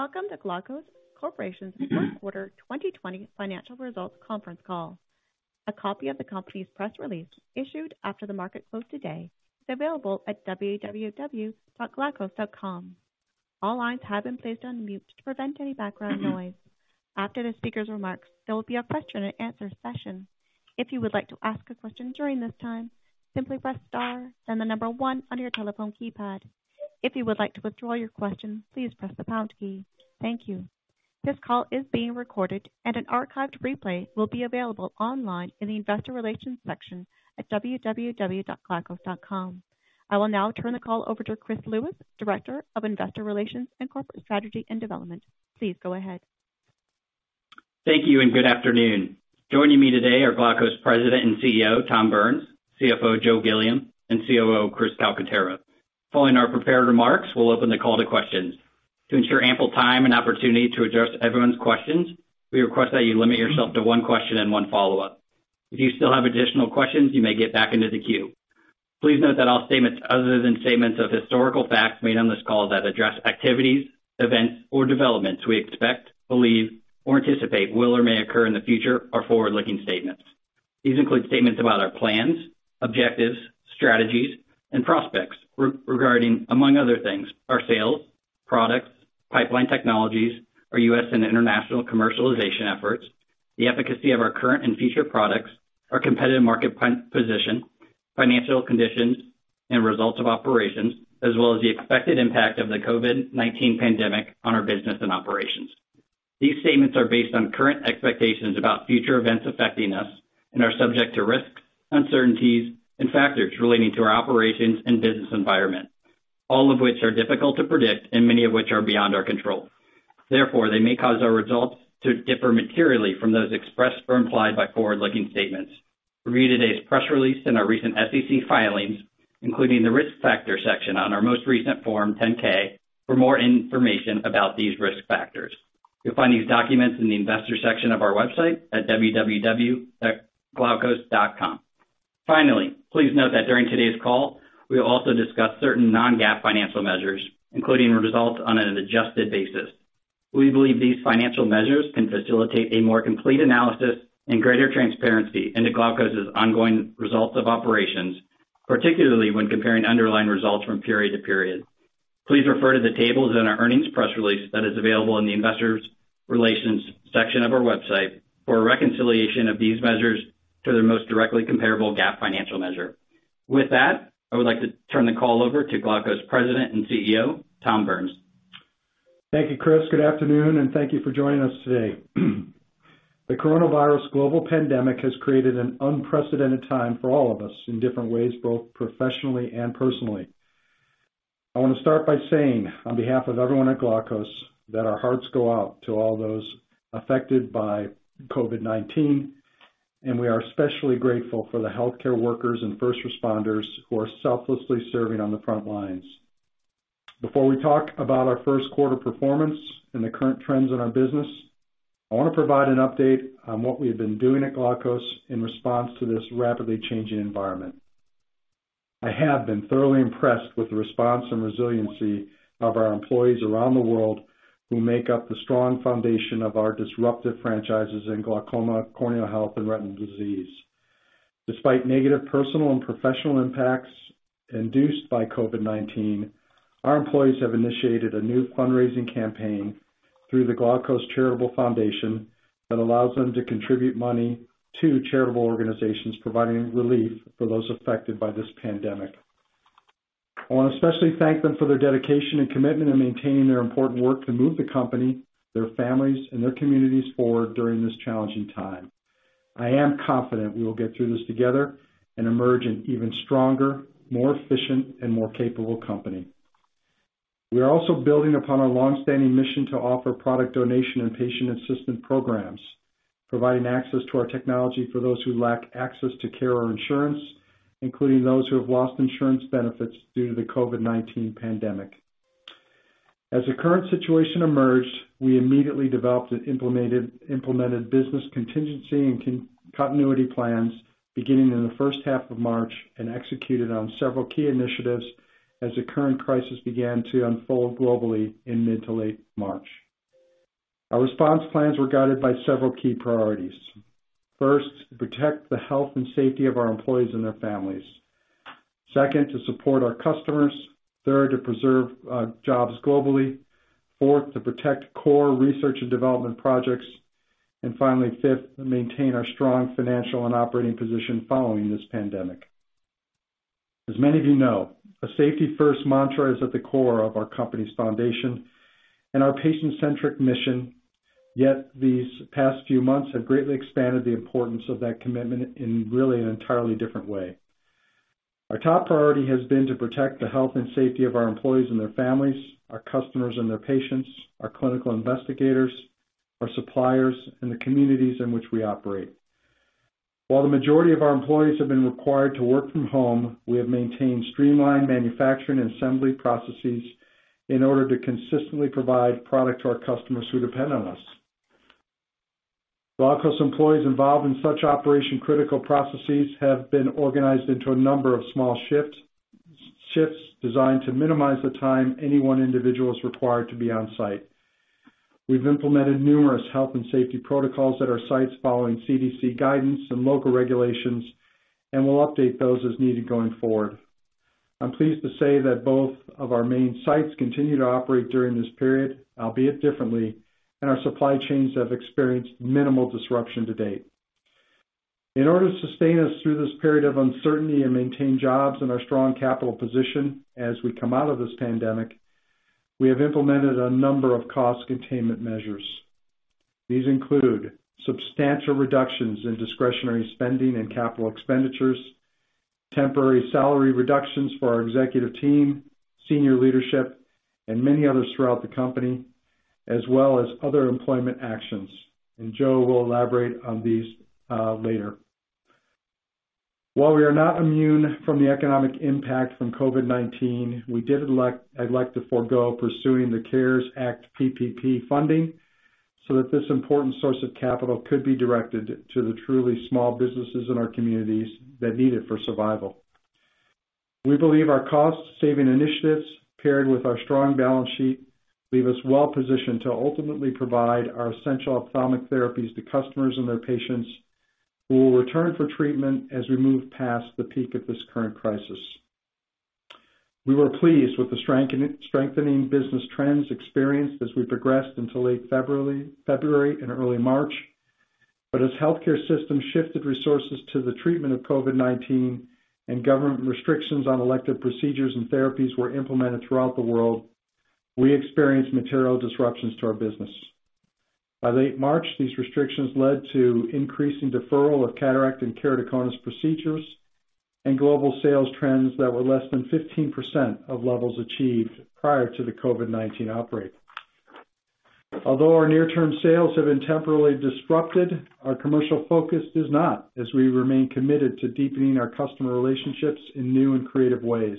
Welcome to Glaukos Corporation's Q1 2020 financial results conference call. A copy of the company's press release, issued after the market close today, is available at www.glaukos.com. All lines have been placed on mute to prevent any background noise. After the speaker's remarks, there will be a question and answer session. If you would like to ask a question during this time, simply press star then the number one on your telephone keypad. If you would like to withdraw your question, please press the pound key. Thank you. This call is being recorded, and an archived replay will be available online in the investor relations section at www.glaukos.com. I will now turn the call over to Chris Lewis, Director of Investor Relations and Corporate Strategy and Development. Please go ahead. Thank you, and good afternoon. Joining me today are Glaukos President and CEO, Tom Burns, CFO, Joe Gilliam, and COO, Chris Calcaterra. Following our prepared remarks, we'll open the call to questions. To ensure ample time and opportunity to address everyone's questions, we request that you limit yourself to one question and one follow-up. If you still have additional questions, you may get back into the queue. Please note that all statements other than statements of historical facts made on this call that address activities, events, or developments we expect, believe, or anticipate will or may occur in the future are forward-looking statements. These include statements about our plans, objectives, strategies, and prospects regarding, among other things, our sales, products, pipeline technologies, our U.S. and international commercialization efforts, the efficacy of our current and future products, our competitive market position, financial conditions, and results of operations, as well as the expected impact of the COVID-19 pandemic on our business and operations. These statements are based on current expectations about future events affecting us and are subject to risks, uncertainties, and factors relating to our operations and business environment, all of which are difficult to predict and many of which are beyond our control. Therefore, they may cause our results to differ materially from those expressed or implied by forward-looking statements. Read today's press release in our recent SEC filings, including the risk factor section on our most recent Form 10-K for more information about these risk factors. You'll find these documents in the investor section of our website at www.glaukos.com. Finally, please note that during today's call, we'll also discuss certain non-GAAP financial measures, including results on an adjusted basis. We believe these financial measures can facilitate a more complete analysis and greater transparency into Glaukos' ongoing results of operations, particularly when comparing underlying results from period to period. Please refer to the tables in our earnings press release that is available in the Investor Relations section of our website for a reconciliation of these measures to their most directly comparable GAAP financial measure. With that, I would like to turn the call over to Glaukos President and CEO, Tom Burns. Thank you, Chris. Good afternoon, and thank you for joining us today. The coronavirus global pandemic has created an unprecedented time for all of us in different ways, both professionally and personally. I want to start by saying, on behalf of everyone at Glaukos, that our hearts go out to all those affected by COVID-19, and we are especially grateful for the healthcare workers and first responders who are selflessly serving on the front lines. Before we talk about our first quarter performance and the current trends in our business, I want to provide an update on what we have been doing at Glaukos in response to this rapidly changing environment. I have been thoroughly impressed with the response and resiliency of our employees around the world who make up the strong foundation of our disruptive franchises in glaucoma, corneal health, and retinal disease. Despite negative personal and professional impacts induced by COVID-19, our employees have initiated a new fundraising campaign through the Glaukos Charitable Foundation that allows them to contribute money to charitable organizations providing relief for those affected by this pandemic. I want to especially thank them for their dedication and commitment in maintaining their important work to move the company, their families, and their communities forward during this challenging time. I am confident we will get through this together and emerge an even stronger, more efficient, and more capable company. We are also building upon our longstanding mission to offer product donation and patient assistance programs, providing access to our technology for those who lack access to care or insurance, including those who have lost insurance benefits due to the COVID-19 pandemic. As the current situation emerged, we immediately developed and implemented business contingency and continuity plans beginning in the first half of March and executed on several key initiatives as the current crisis began to unfold globally in mid to late March. Our response plans were guided by several key priorities. First, to protect the health and safety of our employees and their families. Second, to support our customers. Third, to preserve jobs globally. Fourth, to protect core research and development projects. Finally, fifth, to maintain our strong financial and operating position following this pandemic. As many of you know, a safety-first mantra is at the core of our company's foundation and our patient-centric mission, yet these past few months have greatly expanded the importance of that commitment in really an entirely different way. Our top priority has been to protect the health and safety of our employees and their families, our customers and their patients, our clinical investigators, our suppliers, and the communities in which we operate. While the majority of our employees have been required to work from home, we have maintained streamlined manufacturing and assembly processes in order to consistently provide product to our customers who depend on us. Glaukos employees involved in such operation-critical processes have been organized into a number of small shifts designed to minimize the time any one individual is required to be on-site. We've implemented numerous health and safety protocols at our sites following CDC guidance and local regulations, and we'll update those as needed going forward. I'm pleased to say that both of our main sites continue to operate during this period, albeit differently, and our supply chains have experienced minimal disruption to date. In order to sustain us through this period of uncertainty and maintain jobs and our strong capital position as we come out of this pandemic, we have implemented a number of cost containment measures. These include substantial reductions in discretionary spending and capital expenditures, temporary salary reductions for our executive team, senior leadership, and many others throughout the company, as well as other employment actions. Joe will elaborate on these later. While we are not immune from the economic impact from COVID-19, we did elect to forgo pursuing the CARES Act PPP funding so that this important source of capital could be directed to the truly small businesses in our communities that need it for survival. We believe our cost-saving initiatives, paired with our strong balance sheet, leave us well positioned to ultimately provide our essential ophthalmic therapies to customers and their patients who will return for treatment as we move past the peak of this current crisis. We were pleased with the strengthening business trends experienced as we progressed until late February and early March. As healthcare systems shifted resources to the treatment of COVID-19 and government restrictions on elective procedures and therapies were implemented throughout the world, we experienced material disruptions to our business. By late March, these restrictions led to increasing deferral of cataract and keratoconus procedures and global sales trends that were less than 15% of levels achieved prior to the COVID-19 outbreak. Although our near-term sales have been temporarily disrupted, our commercial focus is not, as we remain committed to deepening our customer relationships in new and creative ways.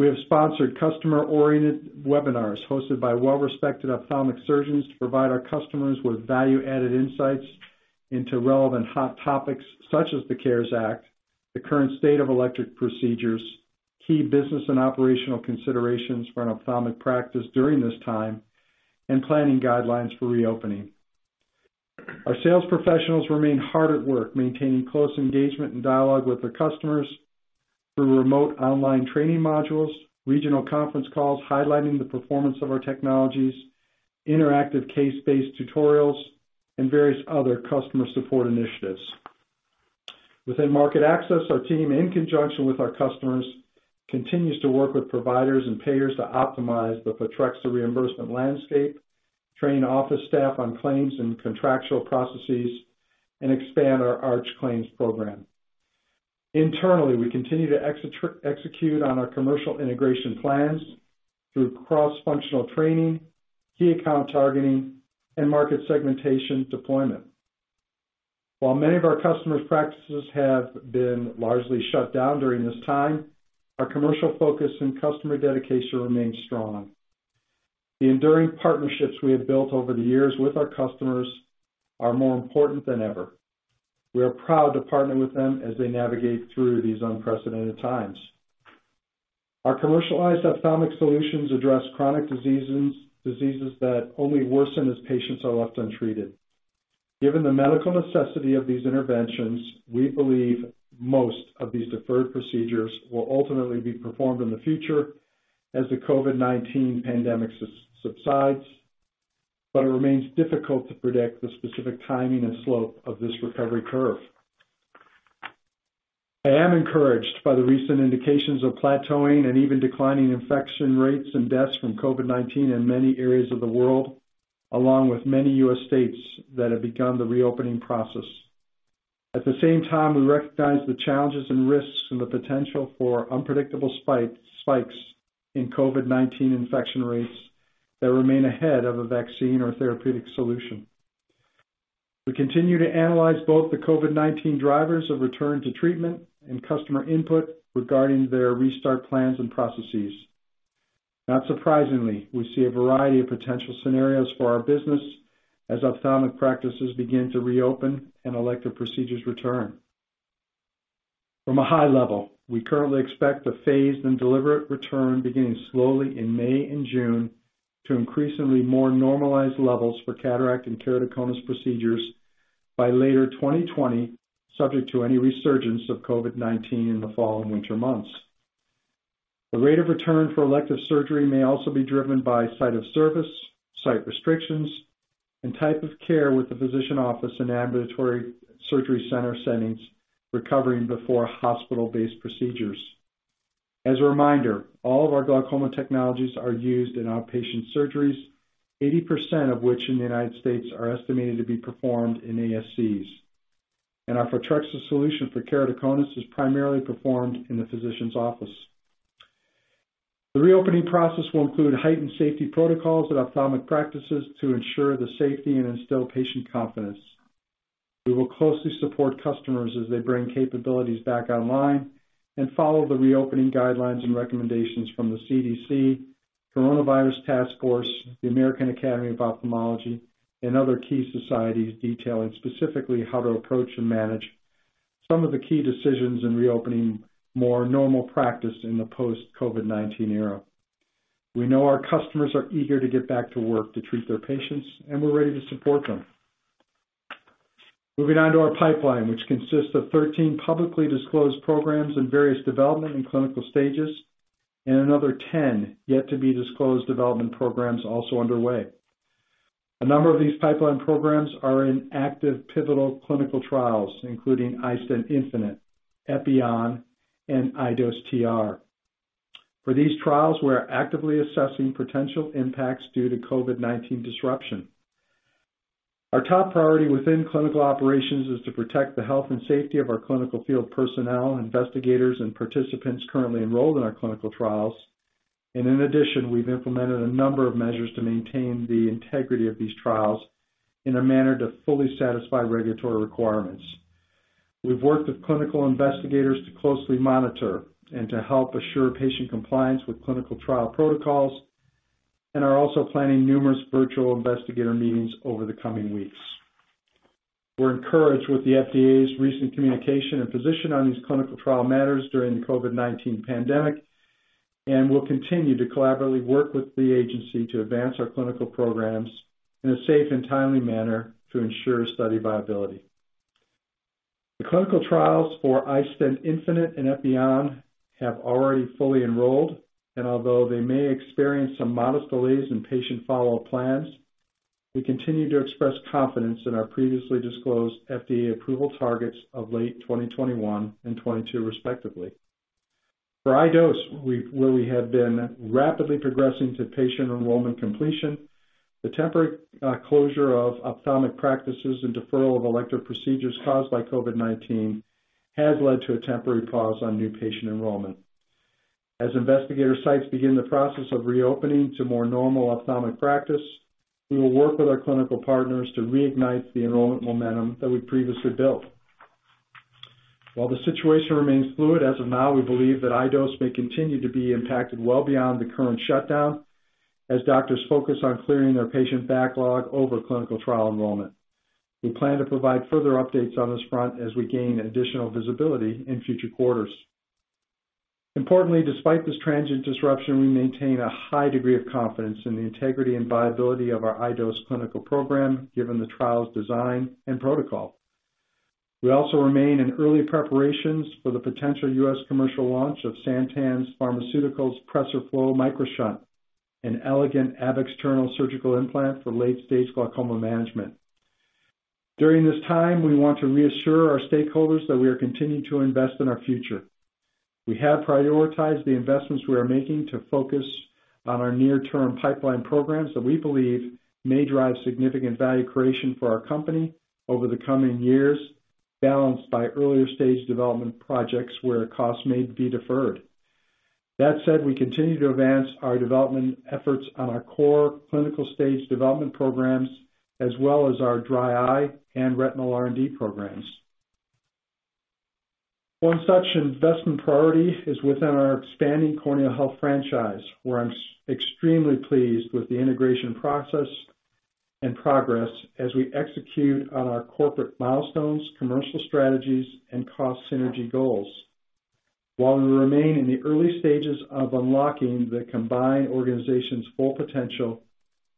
We have sponsored customer-oriented webinars hosted by well-respected ophthalmic surgeons to provide our customers with value-added insights into relevant hot topics such as the CARES Act, the current state of elective procedures, key business and operational considerations for an ophthalmic practice during this time, and planning guidelines for reopening. Our sales professionals remain hard at work maintaining close engagement and dialogue with their customers through remote online training modules, regional conference calls highlighting the performance of our technologies, interactive case-based tutorials, and various other customer support initiatives. Within market access, our team, in conjunction with our customers, continues to work with providers and payers to optimize the Photrexa reimbursement landscape, train office staff on claims and contractual processes, and expand our ARCH claims program. Internally, we continue to execute on our commercial integration plans through cross-functional training, key account targeting, and market segmentation deployment. While many of our customers' practices have been largely shut down during this time, our commercial focus and customer dedication remains strong. The enduring partnerships we have built over the years with our customers are more important than ever. We are proud to partner with them as they navigate through these unprecedented times. Our commercialized ophthalmic solutions address chronic diseases that only worsen as patients are left untreated. Given the medical necessity of these interventions, we believe most of these deferred procedures will ultimately be performed in the future as the COVID-19 pandemic subsides. It remains difficult to predict the specific timing and slope of this recovery curve. I am encouraged by the recent indications of plateauing and even declining infection rates and deaths from COVID-19 in many areas of the world, along with many U.S. states that have begun the reopening process. At the same time, we recognize the challenges and risks and the potential for unpredictable spikes in COVID-19 infection rates that remain ahead of a vaccine or therapeutic solution. We continue to analyze both the COVID-19 drivers of return to treatment and customer input regarding their restart plans and processes. Not surprisingly, we see a variety of potential scenarios for our business as ophthalmic practices begin to reopen and elective procedures return. From a high level, we currently expect a phased and deliberate return beginning slowly in May and June to increasingly more normalized levels for cataract and keratoconus procedures by later 2020, subject to any resurgence of COVID-19 in the fall and winter months. The rate of return for elective surgery may also be driven by site of service, site restrictions, and type of care with the physician office and ambulatory surgery center settings recovering before hospital-based procedures. As a reminder, all of our glaucoma technologies are used in outpatient surgeries, 80% of which in the U.S. are estimated to be performed in ASCs. Our Photrexa solution for keratoconus is primarily performed in the physician's office. The reopening process will include heightened safety protocols at ophthalmic practices to ensure the safety and instill patient confidence. We will closely support customers as they bring capabilities back online and follow the reopening guidelines and recommendations from the CDC, Coronavirus Task Force, the American Academy of Ophthalmology, and other key societies detailing specifically how to approach and manage some of the key decisions in reopening more normal practice in the post-COVID-19 era. We know our customers are eager to get back to work to treat their patients, and we're ready to support them. Moving on to our pipeline, which consists of 13 publicly disclosed programs in various development and clinical stages, and another 10 yet-to-be-disclosed development programs also underway. A number of these pipeline programs are in active pivotal clinical trials, including iStent infinite, Epi-On, and iDose TR. For these trials, we're actively assessing potential impacts due to COVID-19 disruption. Our top priority within clinical operations is to protect the health and safety of our clinical field personnel, investigators, and participants currently enrolled in our clinical trials. In addition, we've implemented a number of measures to maintain the integrity of these trials in a manner to fully satisfy regulatory requirements. We've worked with clinical investigators to closely monitor and to help assure patient compliance with clinical trial protocols, and are also planning numerous virtual investigator meetings over the coming weeks. We're encouraged with the FDA's recent communication and position on these clinical trial matters during the COVID-19 pandemic, and will continue to collaboratively work with the agency to advance our clinical programs in a safe and timely manner to ensure study viability. The clinical trials for iStent infinite and Epi-On have already fully enrolled, and although they may experience some modest delays in patient follow-up plans, we continue to express confidence in our previously disclosed FDA approval targets of late 2021 and 2022, respectively. For iDose, where we had been rapidly progressing to patient enrollment completion, the temporary closure of ophthalmic practices and deferral of elective procedures caused by COVID-19 has led to a temporary pause on new patient enrollment. As investigator sites begin the process of reopening to more normal ophthalmic practice, we will work with our clinical partners to reignite the enrollment momentum that we previously built. While the situation remains fluid, as of now, we believe that iDose may continue to be impacted well beyond the current shutdown as doctors focus on clearing their patient backlog over clinical trial enrollment. We plan to provide further updates on this front as we gain additional visibility in future quarters. Importantly, despite this transient disruption, we maintain a high degree of confidence in the integrity and viability of our iDose clinical program, given the trial's design and protocol. We also remain in early preparations for the potential U.S. commercial launch of Santen Pharmaceuticals' PRESERFLO MicroShunt, an elegant ab-externo surgical implant for late-stage glaucoma management. During this time, we want to reassure our stakeholders that we are continuing to invest in our future. We have prioritized the investments we are making to focus on our near-term pipeline programs that we believe may drive significant value creation for our company over the coming years, balanced by earlier-stage development projects where costs may be deferred. That said, we continue to advance our development efforts on our core clinical-stage development programs, as well as our dry eye and retinal R&D programs. One such investment priority is within our expanding corneal health franchise, where I'm extremely pleased with the integration process and progress as we execute on our corporate milestones, commercial strategies, and cost synergy goals. While we remain in the early stages of unlocking the combined organization's full potential,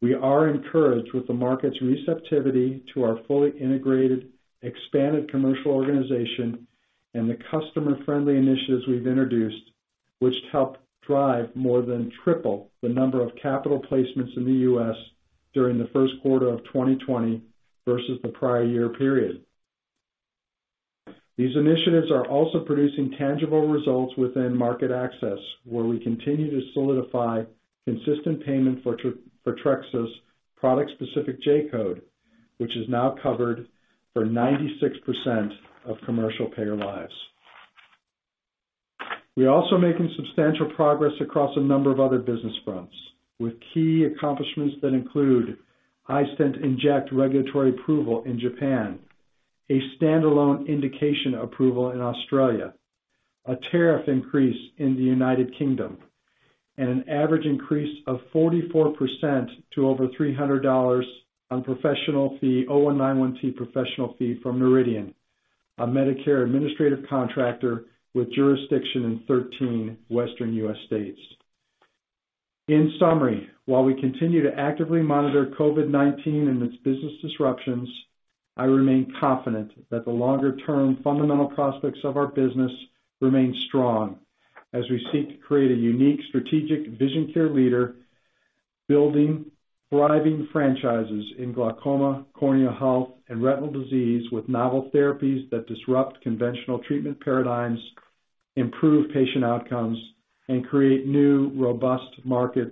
we are encouraged with the market's receptivity to our fully integrated, expanded commercial organization and the customer-friendly initiatives we've introduced, which help drive more than triple the number of capital placements in the U.S. during the first quarter of 2020 versus the prior year period. These initiatives are also producing tangible results within market access, where we continue to solidify consistent payment for Photrexa product-specific J code, which is now covered for 96% of commercial payer lives. We're also making substantial progress across a number of other business fronts with key accomplishments that include iStent inject regulatory approval in Japan, a standalone indication approval in Australia, a tariff increase in the United Kingdom, and an average increase of 44% to over $300 on professional fee, 0191T professional fee from Noridian, a Medicare administrative contractor with jurisdiction in 13 western U.S. states. In summary, while we continue to actively monitor COVID-19 and its business disruptions, I remain confident that the longer-term fundamental prospects of our business remain strong as we seek to create a unique strategic vision care leader, building thriving franchises in glaucoma, corneal health, and retinal disease with novel therapies that disrupt conventional treatment paradigms, improve patient outcomes, and create new, robust markets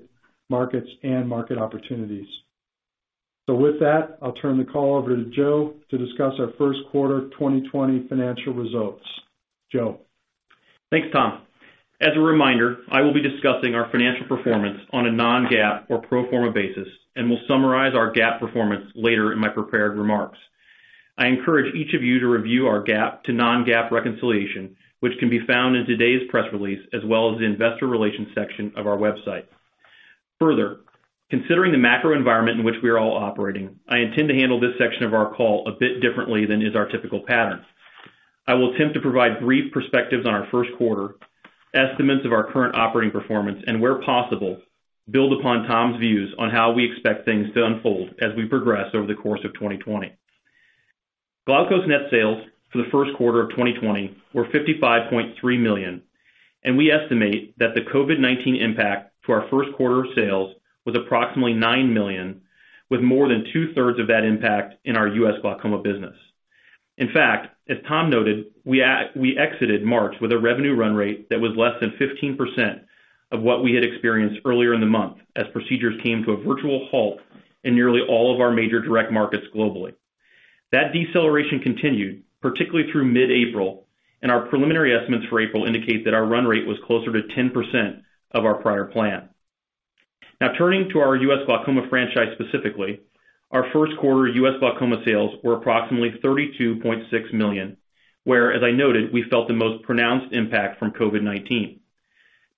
and market opportunities. With that, I'll turn the call over to Joe to discuss our first quarter 2020 financial results. Joe Thanks, Tom. As a reminder, I will be discussing our financial performance on a non-GAAP or pro forma basis and will summarize our GAAP performance later in my prepared remarks. I encourage each of you to review our GAAP to non-GAAP reconciliation, which can be found in today's press release, as well as the investor relations section of our website. Considering the macro environment in which we are all operating, I intend to handle this section of our call a bit differently than is our typical pattern. I will attempt to provide brief perspectives on our first quarter, estimates of our current operating performance, and where possible, build upon Tom's views on how we expect things to unfold as we progress over the course of 2020. Glaukos net sales for the first quarter of 2020 were $55.3 million. We estimate that the COVID-19 impact to our first quarter sales was approximately $9 million, with more than 2/3 of that impact in our U.S. glaucoma business. In fact, as Tom noted, we exited March with a revenue run rate that was less than 15% of what we had experienced earlier in the month, as procedures came to a virtual halt in nearly all of our major direct markets globally. That deceleration continued, particularly through mid-April, and our preliminary estimates for April indicate that our run rate was closer to 10% of our prior plan. Turning to our U.S. glaucoma franchise specifically, our first quarter U.S. glaucoma sales were approximately $32.6 million, where, as I noted, we felt the most pronounced impact from COVID-19.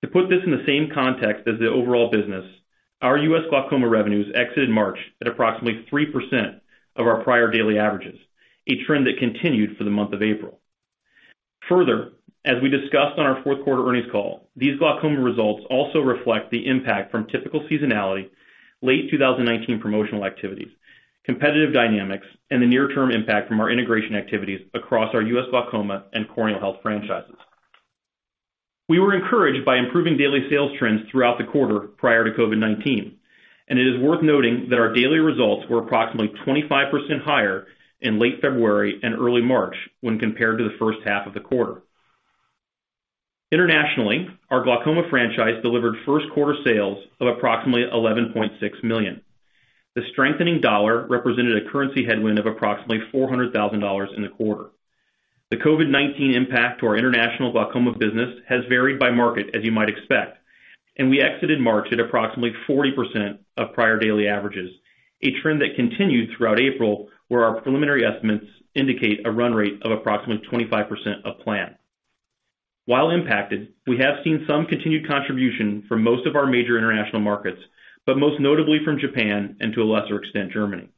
To put this in the same context as the overall business, our U.S. glaucoma revenues exited March at approximately 3% of our prior daily averages, a trend that continued for the month of April. As we discussed on our fourth quarter earnings call, these glaucoma results also reflect the impact from typical seasonality, late 2019 promotional activities, competitive dynamics, and the near-term impact from our integration activities across our U.S. glaucoma and corneal health franchises. We were encouraged by improving daily sales trends throughout the quarter prior to COVID-19, and it is worth noting that our daily results were approximately 25% higher in late February and early March when compared to the first half of the quarter. Internationally, our glaucoma franchise delivered first quarter sales of approximately $11.6 million. The strengthening dollar represented a currency headwind of approximately $400,000 in the quarter. The COVID-19 impact to our international glaucoma business has varied by market, as you might expect, and we exited March at approximately 40% of prior daily averages, a trend that continued throughout April, where our preliminary estimates indicate a run rate of approximately 25% of plan. While impacted, we have seen some continued contribution from most of our major international markets, but most notably from Japan and to a lesser extent, Germany.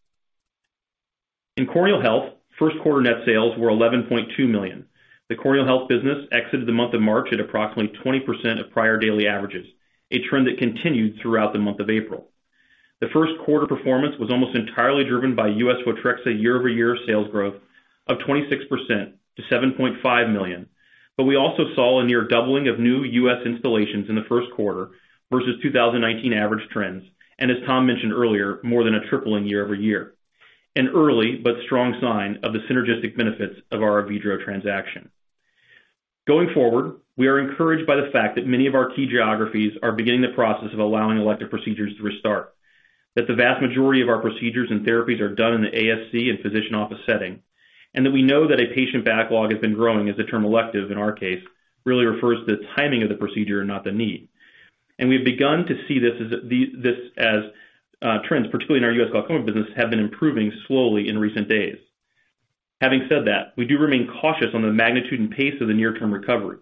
In corneal health, first quarter net sales were $11.2 million. The corneal health business exited the month of March at approximately 20% of prior daily averages, a trend that continued throughout the month of April. The first quarter performance was almost entirely driven by U.S. Photrexa year-over-year sales growth of 26% to $7.5 million. We also saw a near doubling of new U.S. installations in the first quarter versus 2019 average trends, and as Tom mentioned earlier, more than a tripling year-over-year, an early but strong sign of the synergistic benefits of our Avedro transaction. Going forward, we are encouraged by the fact that many of our key geographies are beginning the process of allowing elective procedures to restart, that the vast majority of our procedures and therapies are done in the ASC and physician office setting, and that we know that a patient backlog has been growing as the term elective, in our case, really refers to the timing of the procedure and not the need. We've begun to see this as trends, particularly in our U.S. glaucoma business, have been improving slowly in recent days. Having said that, we do remain cautious on the magnitude and pace of the near-term recovery.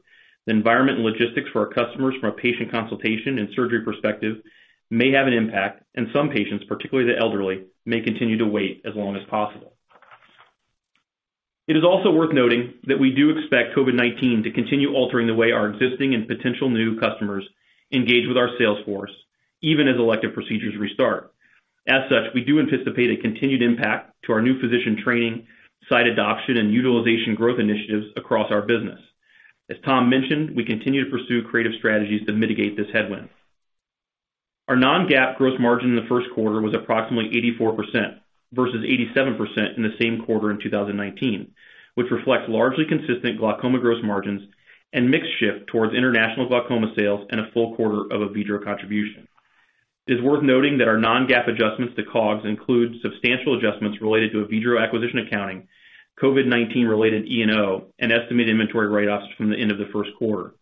The environment and logistics for our customers from a patient consultation and surgery perspective may have an impact, and some patients, particularly the elderly, may continue to wait as long as possible. It is also worth noting that we do expect COVID-19 to continue altering the way our existing and potential new customers engage with our sales force, even as elective procedures restart. As such, we do anticipate a continued impact to our new physician training, site adoption, and utilization growth initiatives across our business. As Tom mentioned, we continue to pursue creative strategies to mitigate this headwind. Our non-GAAP gross margin in the first quarter was approximately 84% versus 87% in the same quarter in 2019, which reflects largely consistent glaucoma gross margins and mix shift towards international glaucoma sales and a full quarter of Avedro contribution. It is worth noting that our non-GAAP adjustments to COGS include substantial adjustments related to Avedro acquisition accounting, COVID-19 related E&O, and estimated inventory write-offs from the end of the first quarter.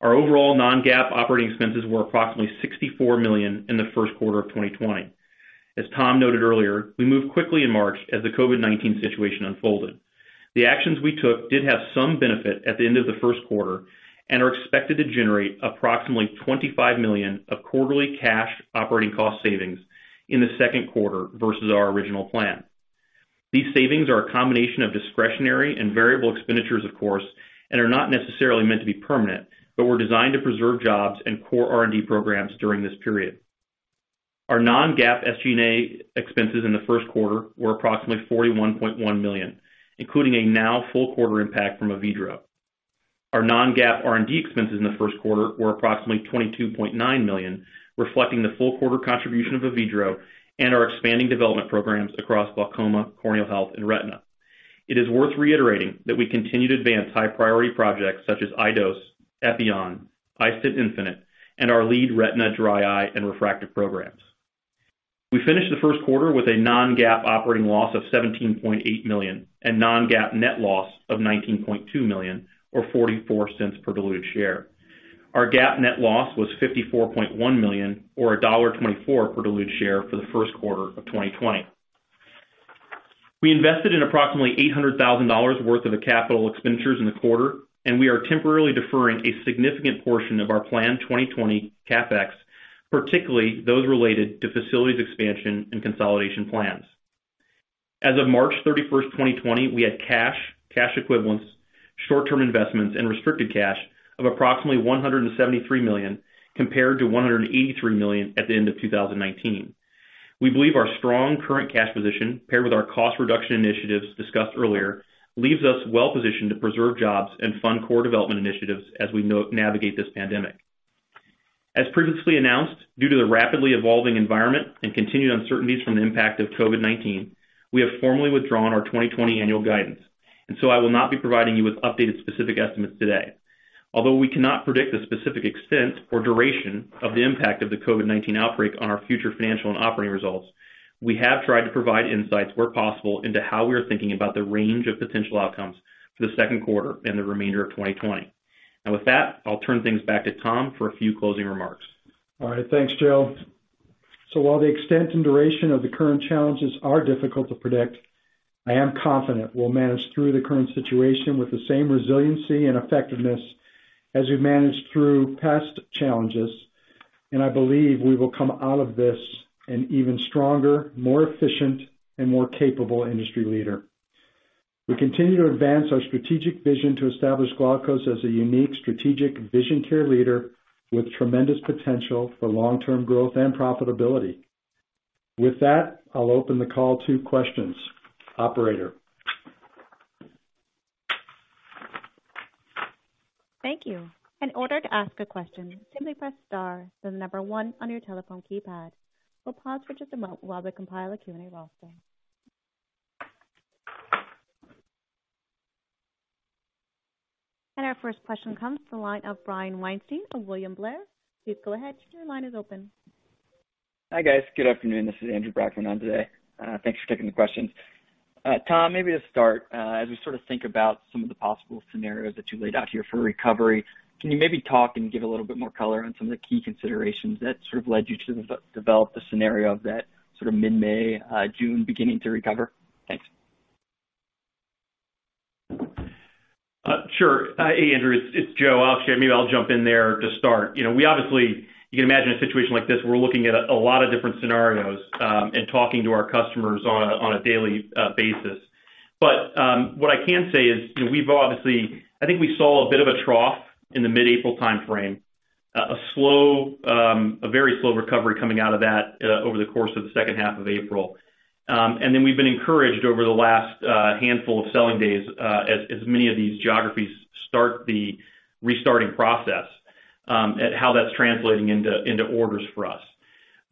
Our overall non-GAAP operating expenses were approximately $64 million in the first quarter of 2020. As Tom noted earlier, we moved quickly in March as the COVID-19 situation unfolded. The actions we took did have some benefit at the end of the first quarter and are expected to generate approximately $25 million of quarterly cash operating cost savings in the second quarter versus our original plan. These savings are a combination of discretionary and variable expenditures, of course, and are not necessarily meant to be permanent, but were designed to preserve jobs and core R&D programs during this period. Our non-GAAP SG&A expenses in the first quarter were approximately $41.1 million, including a now full quarter impact from Avedro. Our non-GAAP R&D expenses in the first quarter were approximately $22.9 million, reflecting the full quarter contribution of Avedro and our expanding development programs across glaucoma, corneal health, and retina. It is worth reiterating that we continue to advance high priority projects such as iDose, Epi-On, iStent infinite, and our lead retina, dry eye, and refractive programs. We finished the first quarter with a non-GAAP operating loss of $17.8 million and non-GAAP net loss of $19.2 million, or $0.44 per diluted share. Our GAAP net loss was $54.1 million, or $1.24 per diluted share for the first quarter of 2020. We invested in approximately $800,000 worth of the capital expenditures in the quarter, and we are temporarily deferring a significant portion of our planned 2020 CapEx, particularly those related to facilities expansion and consolidation plans. As of March 31st, 2020, we had cash equivalents, short-term investments, and restricted cash of approximately $173 million, compared to $183 million at the end of 2019. We believe our strong current cash position, paired with our cost reduction initiatives discussed earlier, leaves us well-positioned to preserve jobs and fund core development initiatives as we navigate this pandemic. As previously announced, due to the rapidly evolving environment and continued uncertainties from the impact of COVID-19, we have formally withdrawn our 2020 annual guidance, and so I will not be providing you with updated specific estimates today. Although we cannot predict the specific extent or duration of the impact of the COVID-19 outbreak on our future financial and operating results, we have tried to provide insights where possible into how we are thinking about the range of potential outcomes for the second quarter and the remainder of 2020. With that, I'll turn things back to Tom for a few closing remarks. All right. Thanks, Joe. While the extent and duration of the current challenges are difficult to predict, I am confident we'll manage through the current situation with the same resiliency and effectiveness as we've managed through past challenges, and I believe we will come out of this an even stronger, more efficient, and more capable industry leader. We continue to advance our strategic vision to establish Glaukos as a unique strategic vision care leader with tremendous potential for long-term growth and profitability. With that, I'll open the call to questions. Operator? Thank you. In order to ask a question, simply press star then number one on your telephone keypad. We'll pause for just a moment while we compile a Q&A roster. Our first question comes from the line of Brian Weinstein of William Blair. Please go ahead. Your line is open. Hi, guys. Good afternoon. This is Andrew Brackmann on today. Thanks for taking the questions. Tom, maybe to start, as we sort of think about some of the possible scenarios that you laid out here for recovery, can you maybe talk and give a little bit more color on some of the key considerations that sort of led you to develop the scenario of that sort of mid-May, June beginning to recover? Thanks. Sure. Hey, Andrew, it's Joe. I'll share. Maybe I'll jump in there to start. You can imagine a situation like this, we're looking at a lot of different scenarios, and talking to our customers on a daily basis. What I can say is, I think we saw a bit of a trough in the mid-April timeframe. A very slow recovery coming out of that over the course of the second half of April. We've been encouraged over the last handful of selling days, as many of these geographies start the restarting process, at how that's translating into orders for us.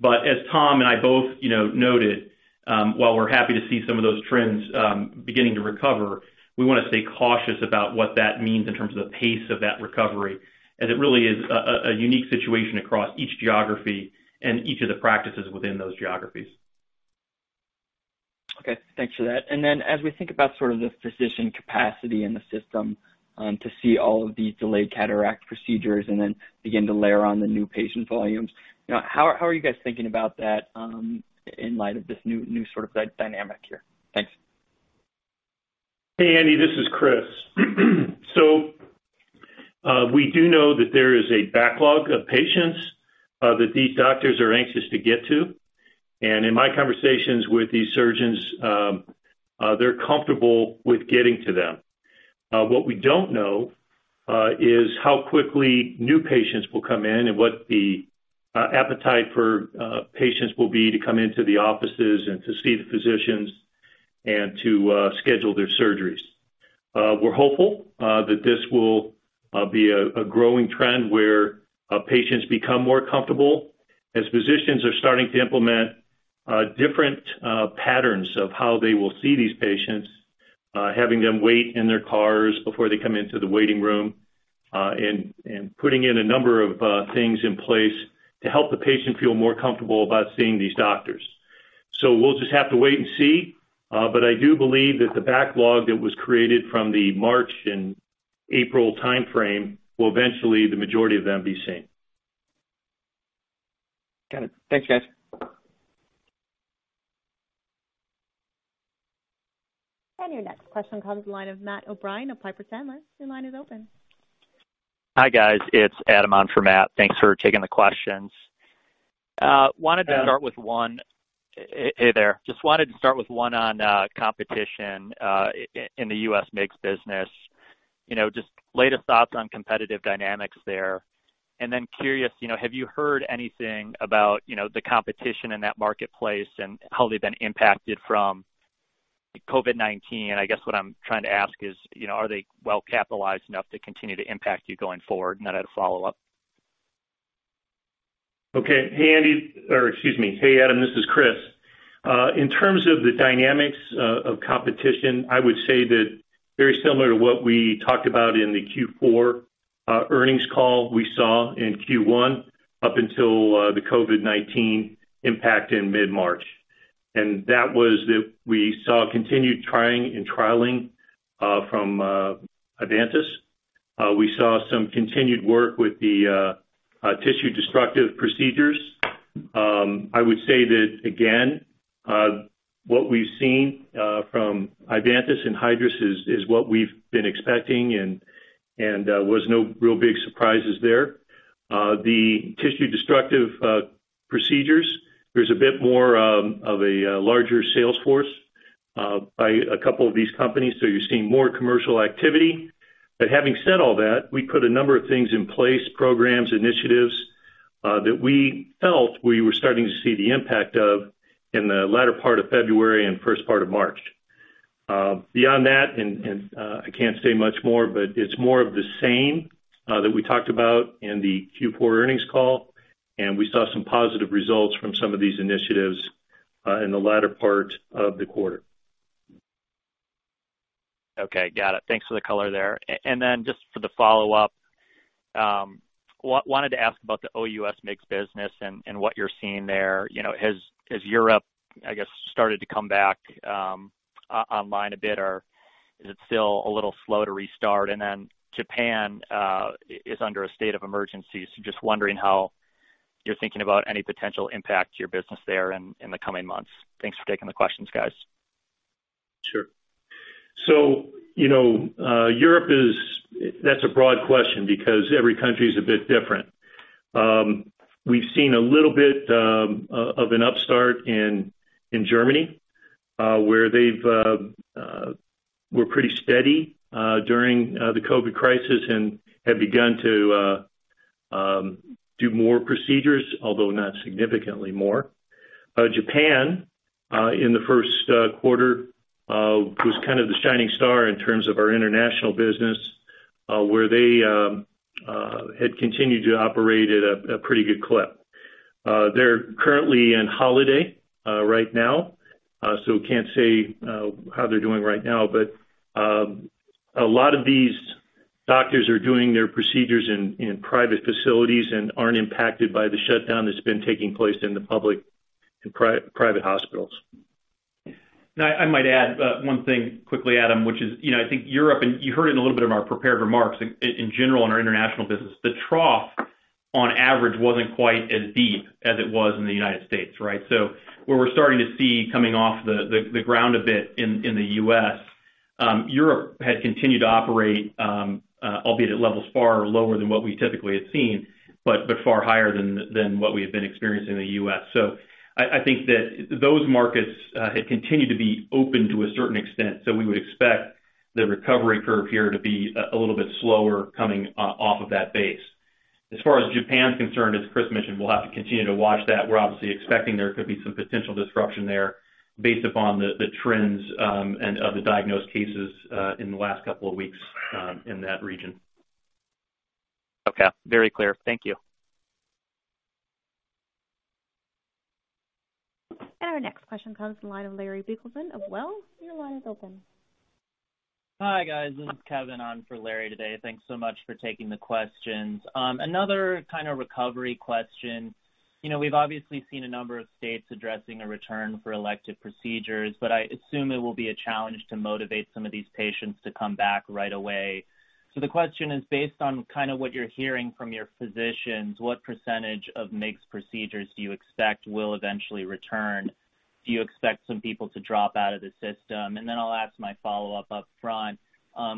As Tom and I both noted, while we're happy to see some of those trends beginning to recover, we want to stay cautious about what that means in terms of the pace of that recovery, as it really is a unique situation across each geography and each of the practices within those geographies. Okay. Thanks for that. As we think about sort of the physician capacity in the system to see all of these delayed cataract procedures and then begin to layer on the new patient volumes, how are you guys thinking about that in light of this new sort of dynamic here? Thanks. Hey, Andy, this is Chris. We do know that there is a backlog of patients that these doctors are anxious to get to. In my conversations with these surgeons, they're comfortable with getting to them. What we don't know is how quickly new patients will come in and what the appetite for patients will be to come into the offices and to see the physicians and to schedule their surgeries. We're hopeful that this will be a growing trend where patients become more comfortable as physicians are starting to implement different patterns of how they will see these patients, having them wait in their cars before they come into the waiting room, and putting in a number of things in place to help the patient feel more comfortable about seeing these doctors. We'll just have to wait and see, but I do believe that the backlog that was created from the March and April timeframe will eventually, the majority of them, be seen. Got it. Thanks, guys. Your next question comes the line of Matt O'Brien of Piper Sandler. Your line is open. Hi, guys. It's Adam on for Matt. Thanks for taking the questions. Adam. Hey there. Just wanted to start with one on competition in the U.S. MIGS business. Just latest thoughts on competitive dynamics there. Then curious, have you heard anything about the competition in that marketplace and how they've been impacted from COVID-19? I guess what I'm trying to ask is, are they well capitalized enough to continue to impact you going forward? Then I have a follow-up. Okay. Or excuse me. Hey, Adam, this is Chris. In terms of the dynamics of competition, I would say that very similar to what we talked about in the Q4 earnings call, we saw in Q1 up until the COVID-19 impact in mid-March. That was that we saw continued trying and trialing from Ivantis. We saw some continued work with the tissue-destructive procedures. I would say that, again, what we've seen from Ivantis and Hydrus is what we've been expecting and was no real big surprises there. The tissue-destructive procedures, there's a bit more of a larger sales force by a couple of these companies, you're seeing more commercial activity. Having said all that, we put a number of things in place, programs, initiatives, that we felt we were starting to see the impact of in the latter part of February and first part of March. Beyond that, and I can't say much more, but it's more of the same that we talked about in the Q4 earnings call, and we saw some positive results from some of these initiatives in the latter part of the quarter. Okay. Got it. Thanks for the color there. Just for the follow-up, wanted to ask about the OUS MIGS business and what you're seeing there. Has Europe, I guess, started to come back online a bit, or is it still a little slow to restart? Japan is under a state of emergency, just wondering how you're thinking about any potential impact to your business there in the coming months. Thanks for taking the questions, guys. Sure. Europe, that's a broad question because every country is a bit different. We've seen a little bit of an upstart in Germany, where they were pretty steady during the COVID crisis and have begun to do more procedures, although not significantly more. Japan, in the first quarter, was kind of the shining star in terms of our international business, where they had continued to operate at a pretty good clip. They're currently on holiday right now, can't say how they're doing right now. A lot of these doctors are doing their procedures in private facilities and aren't impacted by the shutdown that's been taking place in the public and private hospitals. I might add one thing quickly, Adam, which is, I think Europe, and you heard it in a little bit of our prepared remarks, in general, in our international business. The trough, on average, wasn't quite as deep as it was in the U.S., right? Where we're starting to see coming off the ground a bit in the U.S., Europe had continued to operate, albeit at levels far lower than what we typically had seen, but far higher than what we had been experiencing in the U.S. I think that those markets had continued to be open to a certain extent, so we would expect the recovery curve here to be a little bit slower coming off of that base. As far as Japan's concerned, as Chris mentioned, we'll have to continue to watch that. We're obviously expecting there could be some potential disruption there based upon the trends, and of the diagnosed cases in the last couple of weeks in that region. Okay. Very clear. Thank you. Our next question comes from the line of Larry Biegelsen of Wells Fargo. Your line is open. Hi, guys. This is Kevin on for Larry today. Thanks so much for taking the questions. Another kind of recovery question. We've obviously seen a number of states addressing a return for elective procedures, but I assume it will be a challenge to motivate some of these patients to come back right away. The question is, based on kind of what you're hearing from your physicians, what percentage of MIGS procedures do you expect will eventually return? Do you expect some people to drop out of the system? Then I'll ask my follow-up upfront.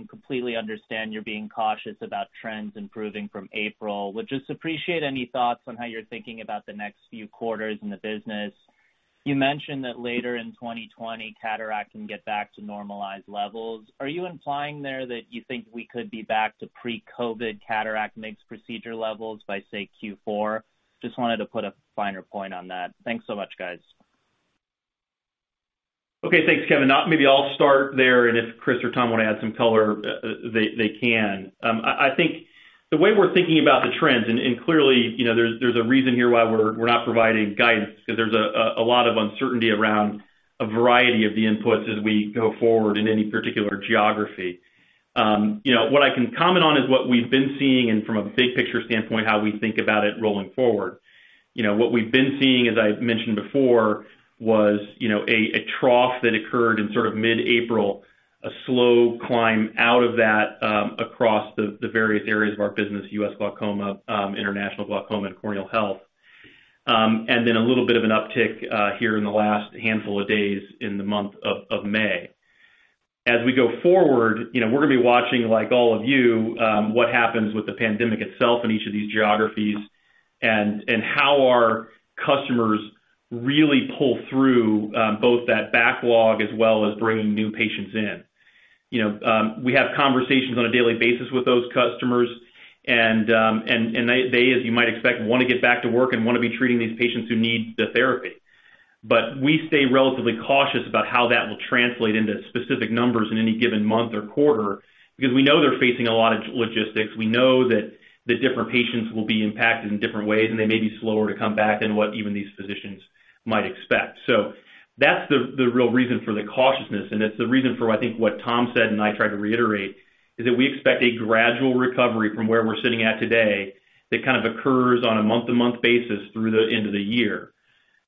Completely understand you're being cautious about trends improving from April. Would just appreciate any thoughts on how you're thinking about the next few quarters in the business. You mentioned that later in 2020, cataract can get back to normalized levels. Are you implying there that you think we could be back to pre-COVID cataract MIGS procedure levels by, say, Q4? Just wanted to put a finer point on that. Thanks so much, guys. Okay. Thanks, Kevin. Maybe I'll start there, and if Chris or Tom want to add some color, they can. I think the way we're thinking about the trends, and clearly there's a reason here why we're not providing guidance, because there's a lot of uncertainty around a variety of the inputs as we go forward in any particular geography. What I can comment on is what we've been seeing and from a big picture standpoint, how we think about it rolling forward. What we've been seeing, as I mentioned before, was a trough that occurred in sort of mid-April, a slow climb out of that across the various areas of our business, U.S. glaucoma, international glaucoma, and corneal health. A little bit of an uptick here in the last handful of days in the month of May. As we go forward, we're going to be watching, like all of you, what happens with the pandemic itself in each of these geographies and how our customers really pull through both that backlog as well as bringing new patients in. We have conversations on a daily basis with those customers. They, as you might expect, want to get back to work and want to be treating these patients who need the therapy. We stay relatively cautious about how that will translate into specific numbers in any given month or quarter, because we know they're facing a lot of logistics. We know that the different patients will be impacted in different ways. They may be slower to come back than what even these physicians might expect. That's the real reason for the cautiousness, and it's the reason for, I think, what Tom said and I tried to reiterate, is that we expect a gradual recovery from where we're sitting at today that kind of occurs on a month-to-month basis through the end of the year.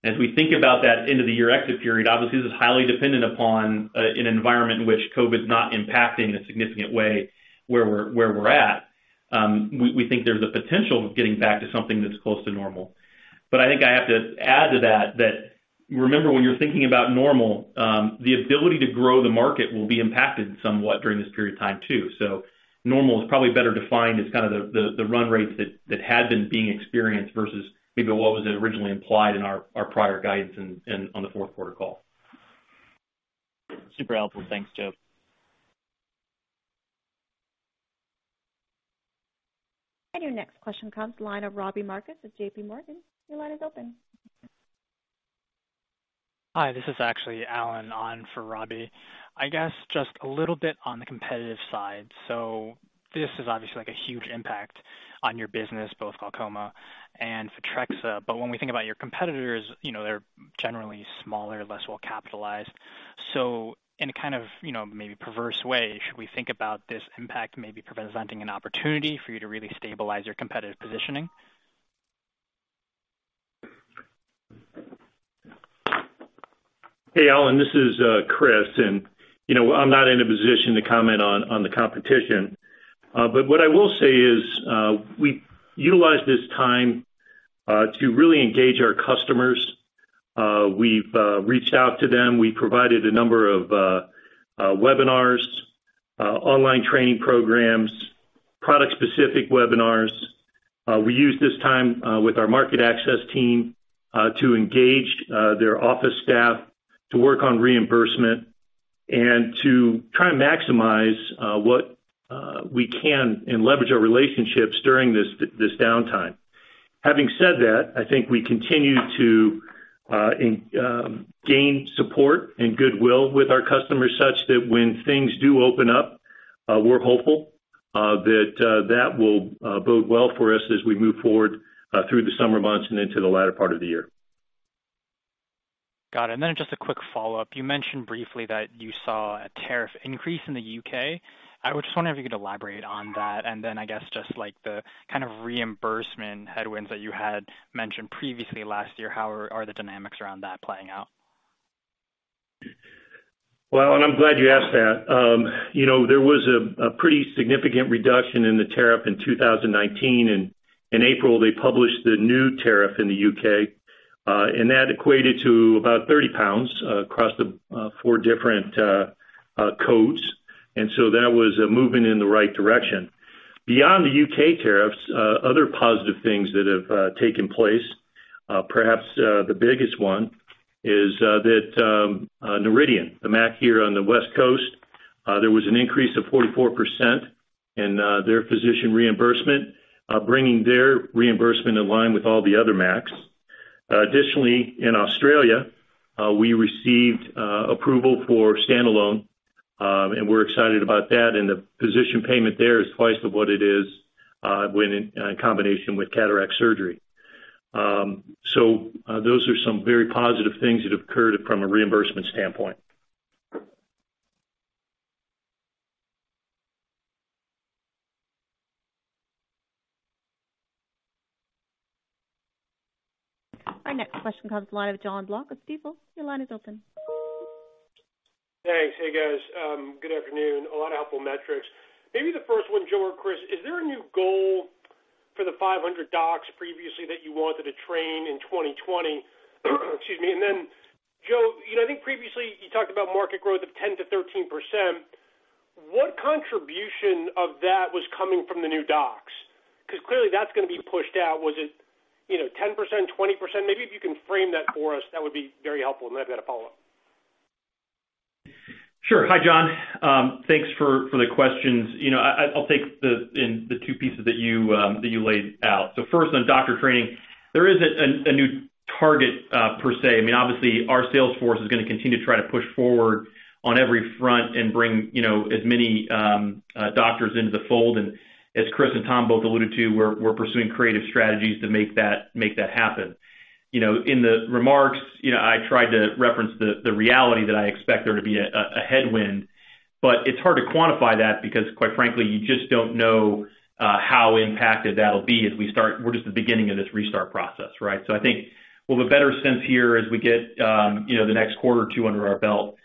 As we think about that end-of-the-year exit period, obviously, this is highly dependent upon an environment in which COVID is not impacting a significant way where we're at. We think there's a potential of getting back to something that's close to normal. I think I have to add to that remember, when you're thinking about normal, the ability to grow the market will be impacted somewhat during this period of time, too. Normal is probably better defined as kind of the run rates that had been being experienced versus maybe what was originally implied in our prior guidance and on the fourth quarter call. Super helpful. Thanks, Joe. Your next question comes the line of Robbie Marcus with JPMorgan. Your line is open. Hi, this is actually Allen on for Robbie. I guess just a little bit on the competitive side. This is obviously a huge impact on your business, both glaucoma and Photrexa. When we think about your competitors, they're generally smaller, less well-capitalized. In a kind of maybe perverse way, should we think about this impact maybe presenting an opportunity for you to really stabilize your competitive positioning? Hey, Allen, this is Chris. I'm not in a position to comment on the competition. What I will say is, we utilized this time to really engage our customers. We've reached out to them. We provided a number of webinars, online training programs, product-specific webinars. We used this time with our market access team, to engage their office staff to work on reimbursement and to try and maximize what we can and leverage our relationships during this downtime. Having said that, I think we continue to gain support and goodwill with our customers such that when things do open up, we're hopeful that that will bode well for us as we move forward through the summer months and into the latter part of the year. Got it. Just a quick follow-up. You mentioned briefly that you saw a tariff increase in the U.K. I was just wondering if you could elaborate on that, and then I guess just the kind of reimbursement headwinds that you had mentioned previously last year, how are the dynamics around that playing out? I'm glad you asked that. There was a pretty significant reduction in the tariff in 2019, and in April, they published the new tariff in the U.K. That equated to about 30 pounds across the four different codes. That was a movement in the right direction. Beyond the U.K. tariffs, other positive things that have taken place, perhaps the biggest one is that Noridian, the MAC here on the West Coast, there was an increase of 44% in their physician reimbursement, bringing their reimbursement in line with all the other MACs. Additionally, in Australia, we received approval for standalone, and we're excited about that, and the physician payment there is twice of what it is when in combination with cataract surgery. Those are some very positive things that occurred from a reimbursement standpoint. Our next question comes the line of Jon Block with Stifel. Your line is open. Thanks. Hey, guys. Good afternoon. A lot of helpful metrics. Maybe the first one, Joe or Chris, is there a new goal for the 500 docs previously that you wanted to train in 2020? Excuse me. Then Joe, I think previously you talked about market growth of 10% to 13%. What contribution of that was coming from the new docs? Clearly that's going to be pushed out. Was it 10%, 20%? Maybe if you can frame that for us, that would be very helpful. Then I've got a follow-up. Sure. Hi, Jon. Thanks for the questions. I'll take the two pieces that you laid out. First on doctor training, there isn't a new target per se. Obviously, our sales force is going to continue to try to push forward on every front and bring as many doctors into the fold. As Chris and Tom both alluded to, we're pursuing creative strategies to make that happen. In the remarks, I tried to reference the reality that I expect there to be a headwind, but it's hard to quantify that because, quite frankly, you just don't know how impacted that'll be as we start. We're just at the beginning of this restart process, right? I think we'll have a better sense here as we get the next quarter or two under our belt,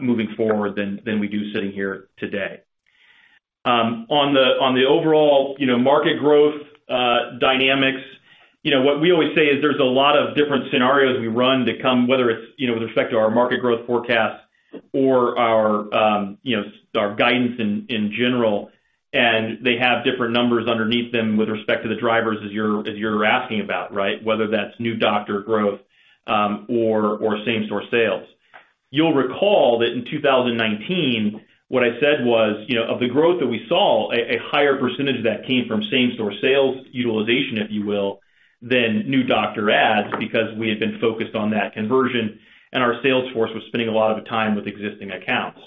moving forward than we do sitting here today. On the overall market growth dynamics, what we always say is there's a lot of different scenarios we run to come, whether it's with respect to our market growth forecast or our guidance in general. They have different numbers underneath them with respect to the drivers as you're asking about, right? Whether that's new doctor growth or same-store sales. You'll recall that in 2019, what I said was, of the growth that we saw, a higher percentage of that came from same-store sales utilization, if you will, than new doctor adds, because we had been focused on that conversion, and our sales force was spending a lot of the time with existing accounts.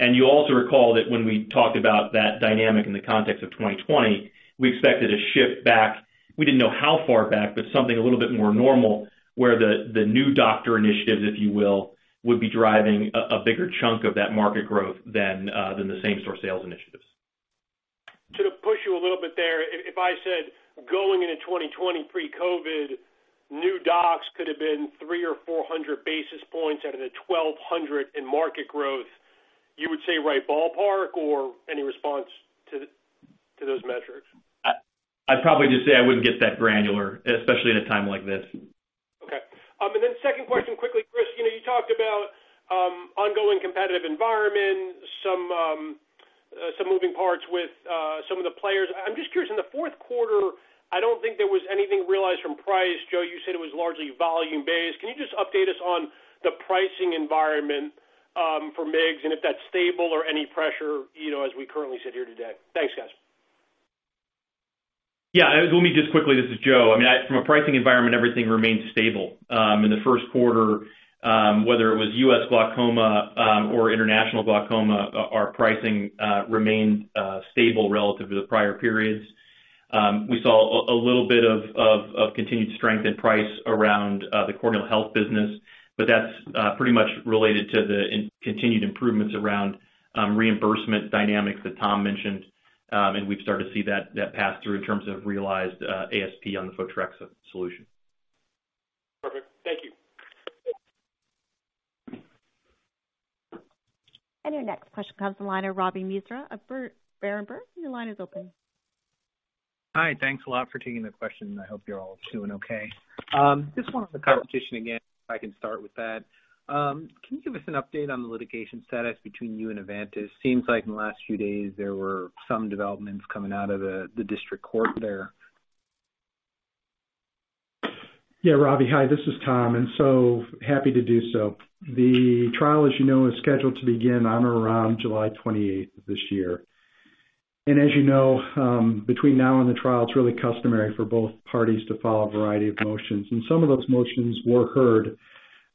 You also recall that when we talked about that dynamic in the context of 2020, we expected a shift back. We didn't know how far back, but something a little bit more normal, where the new doctor initiatives, if you will, would be driving a bigger chunk of that market growth than the same-store sales initiatives. To push you a little bit there, if I said going into 2020 pre-COVID, new docs could have been 300 or 400 basis points out of the 1,200 in market growth, you would say right ballpark or any response to those metrics? I'd probably just say I wouldn't get that granular, especially at a time like this. Okay. Second question quickly, Chris, you talked about ongoing competitive environment, some moving parts with some of the players. I'm just curious, in the fourth quarter, I don't think there was anything realized from price. Joe, you said it was largely volume-based. Can you just update us on the pricing environment for MIGS and if that's stable or any pressure, as we currently sit here today? Thanks, guys. Yeah. Let me just quickly, this is Joe. From a pricing environment, everything remains stable. In the first quarter, whether it was U.S. glaucoma or international glaucoma, our pricing remained stable relative to the prior periods. We saw a little bit of continued strength in price around the corneal health business, that's pretty much related to the continued improvements around reimbursement dynamics that Tom mentioned. We've started to see that pass through in terms of realized ASP on the Photrexa solution. Perfect. Thank you. Your next question comes from the line of Ravi Misra of Berenberg. Your line is open. Hi. Thanks a lot for taking the question. I hope you're all doing okay. Just on the competition, again, if I can start with that. Can you give us an update on the litigation status between you and Ivantis? Seems like in the last few days, there were some developments coming out of the district court there. Yeah, Ravi. Hi, this is Tom. Happy to do so. The trial, as you know, is scheduled to begin on or around July 28th of this year. As you know, between now and the trial, it's really customary for both parties to file a variety of motions, and some of those motions were heard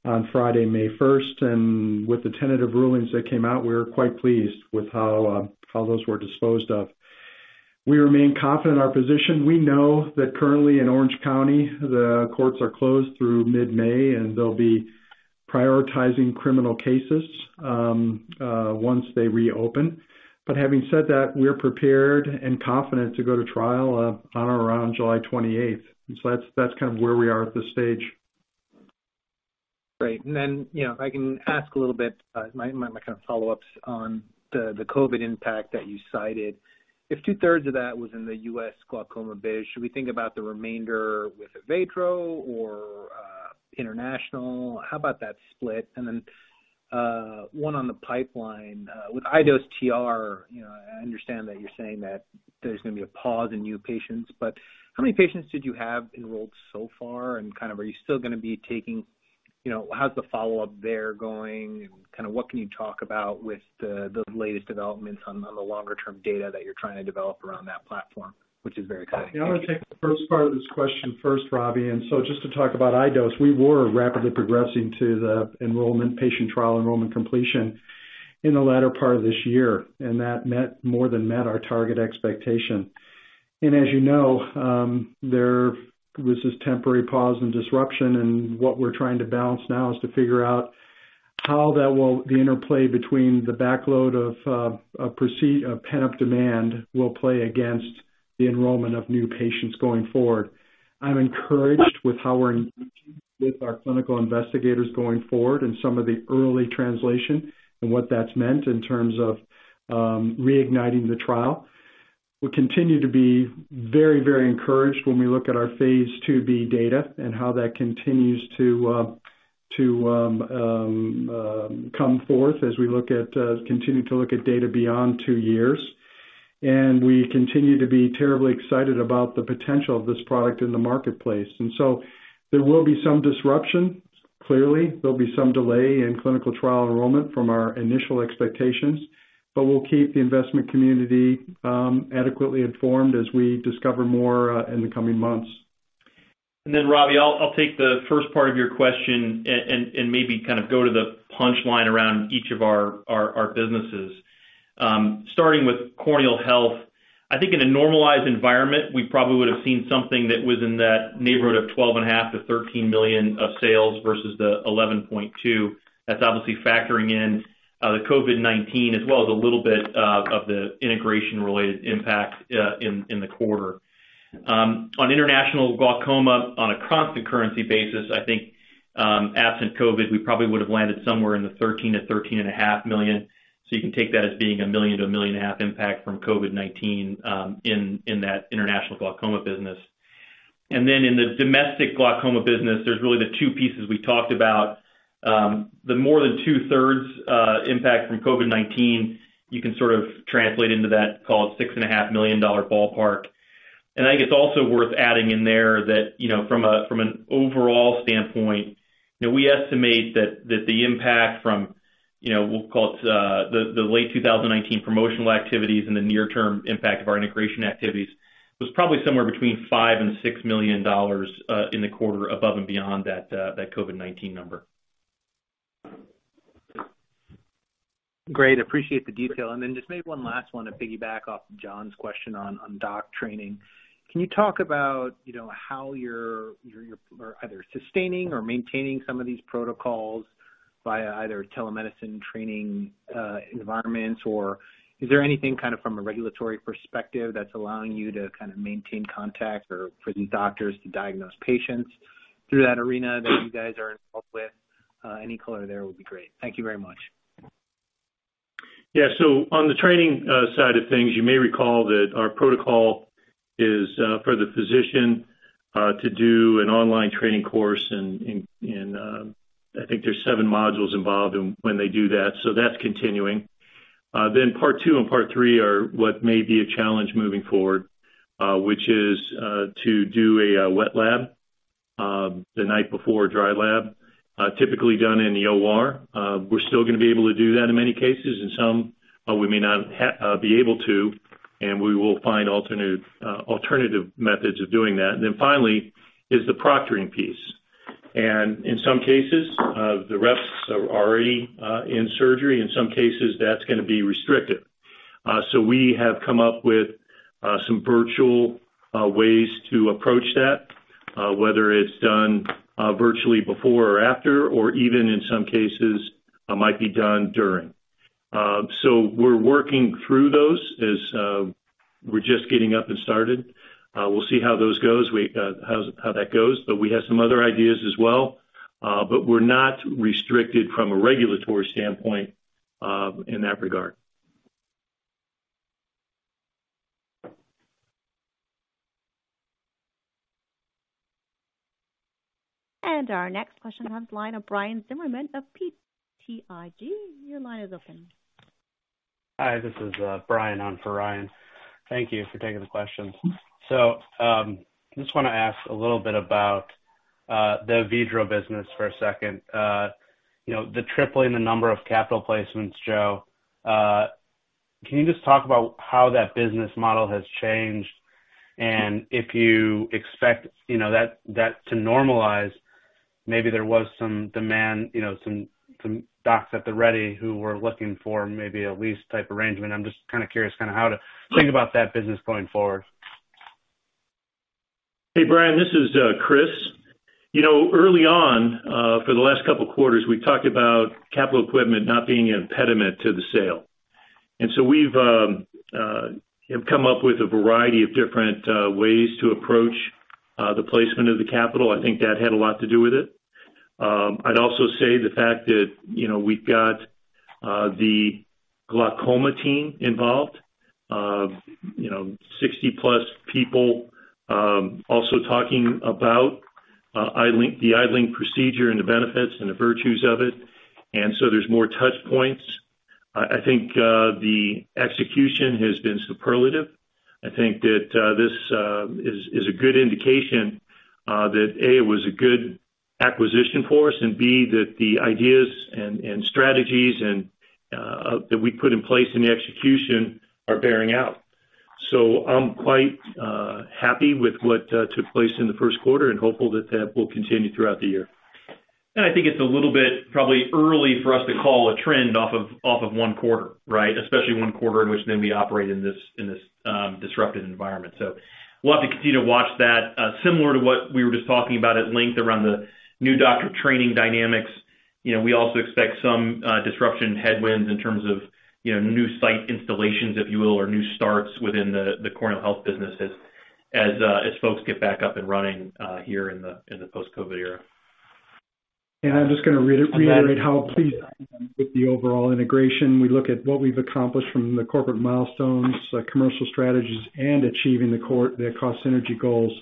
on Friday, May 1st. With the tentative rulings that came out, we were quite pleased with how those were disposed of. We remain confident in our position. We know that currently in Orange County, the courts are closed through mid-May, and they'll be prioritizing criminal cases once they reopen. Having said that, we're prepared and confident to go to trial on or around July 28th. That's kind of where we are at this stage. Great. If I can ask a little bit, my kind of follow-ups on the COVID impact that you cited. If two-thirds of that was in the U.S. glaucoma base, should we think about the remainder with Avedro or international? How about that split? One on the pipeline. With iDose TR, I understand that you're saying that there's going to be a pause in new patients, but how many patients did you have enrolled so far, and kind of are you still going to be, how's the follow-up there going, and kind of what can you talk about with the latest developments on the longer-term data that you're trying to develop around that platform, which is very exciting? Yeah. I want to take the first part of this question first, Ravi. Just to talk about iDose, we were rapidly progressing to the patient trial enrollment completion in the latter part of this year, and that more than met our target expectation. As you know, there was this temporary pause and disruption, and what we're trying to balance now is to figure out how the interplay between the backload of pent-up demand will play against the enrollment of new patients going forward. I'm encouraged with how we're engaging with our clinical investigators going forward and some of the early translation and what that's meant in terms of reigniting the trial. We continue to be very encouraged when we look at our phase IIb data and how that continues to come forth as we continue to look at data beyond two years. We continue to be terribly excited about the potential of this product in the marketplace. There will be some disruption. Clearly, there'll be some delay in clinical trial enrollment from our initial expectations, but we'll keep the investment community adequately informed as we discover more in the coming months. Ravi, I will take the first part of your question and maybe kind of go to the punchline around each of our businesses. Starting with corneal health, I think in a normalized environment, we probably would have seen something that was in that neighborhood of $12.5 million-$13 million of sales versus the $11.2 million. That is obviously factoring in the COVID-19 as well as a little bit of the integration-related impact in the quarter. On international glaucoma, on a constant currency basis, I think absent COVID, we probably would have landed somewhere in the $13 million-$13.5 million. You can take that as being a $1 million-$1.5 million impact from COVID-19 in that international glaucoma business. In the domestic glaucoma business, there is really the two pieces we talked about. The more than 2/3 impact from COVID-19, you can sort of translate into that call it $6.5 million ballpark. I think it's also worth adding in there that from an overall standpoint, we estimate that the impact from, we'll call it the late 2019 promotional activities and the near-term impact of our integration activities was probably somewhere between $5 and $6 million in the quarter above and beyond that COVID-19 number. Great. Appreciate the detail. Then just maybe one last one to piggyback off Jon's question on doc training. Can you talk about how you're either sustaining or maintaining some of these protocols via either telemedicine training environments, or is there anything from a regulatory perspective that's allowing you to maintain contact or for these doctors to diagnose patients through that arena that you guys are involved with? Any color there would be great. Thank you very much. Yeah. On the training side of things, you may recall that our protocol is for the physician to do an online training course in, I think there's seven modules involved when they do that. That's continuing. Part two and part three are what may be a challenge moving forward, which is to do a wet lab the night before a dry lab, typically done in the OR. We're still going to be able to do that in many cases. In some, we may not be able to, and we will find alternative methods of doing that. Finally is the proctoring piece. In some cases, the reps are already in surgery. In some cases, that's going to be restricted. We have come up with some virtual ways to approach that, whether it's done virtually before or after, or even in some cases might be done during. We're working through those as we're just getting up and started. We'll see how that goes. We have some other ideas as well. We're not restricted from a regulatory standpoint in that regard. Our next question on the line of Ryan Zimmerman of BTIG. Your line is open. Hi, this is Brian on for Ryan. Thank you for taking the questions. Just want to ask a little bit about the Avedro business for a second. The tripling the number of capital placements, Joe, can you just talk about how that business model has changed and if you expect that to normalize? Maybe there was some docs at the ready who were looking for maybe a lease type arrangement. I'm just kind of curious how to think about that business going forward. Hey, Brian, this is Chris. Early on, for the last couple of quarters, we talked about capital equipment not being an impediment to the sale. We've come up with a variety of different ways to approach the placement of the capital. I think that had a lot to do with it. I'd also say the fact that we've got the glaucoma team involved, 60+ people also talking about the iLink procedure and the benefits and the virtues of it. There's more touch points. I think the execution has been superlative. I think that this is a good indication that A, it was a good acquisition for us, and B, that the ideas and strategies that we put in place in the execution are bearing out. I'm quite happy with what took place in the first quarter and hopeful that that will continue throughout the year. I think it's a little bit probably early for us to call a trend off of one quarter, right? Especially one quarter in which then we operate in this disruptive environment. We'll have to continue to watch that. Similar to what we were just talking about at length around the new doctor training dynamics, we also expect some disruption headwinds in terms of new site installations, if you will, or new starts within the corneal health business as folks get back up and running here in the post-COVID era. I'm just going to reiterate how pleased I am with the overall integration. We look at what we've accomplished from the corporate milestones, commercial strategies, and achieving the cost synergy goals.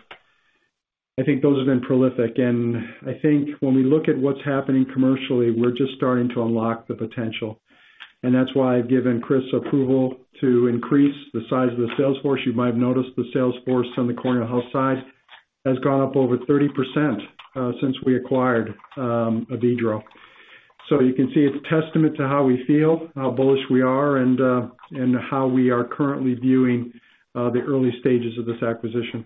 I think those have been prolific, and I think when we look at what's happening commercially, we're just starting to unlock the potential. That's why I've given Chris approval to increase the size of the sales force. You might have noticed the sales force on the corneal health side has gone up over 30% since we acquired Avedro. You can see it's a testament to how we feel, how bullish we are, and how we are currently viewing the early stages of this acquisition.